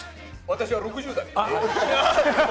私は６０代。